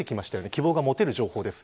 希望が持てる情報です。